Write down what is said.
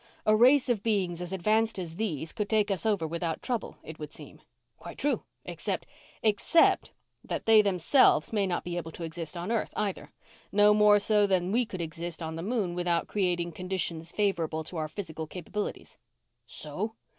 A race of beings as advanced as these could take us over without trouble, it would seem." "Quite true. Except " "Except that they themselves may not be able to exist on earth, either; no more so than we could exist on the moon without creating conditions favorable to our physical capabilities." "So